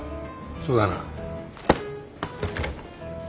そうだな。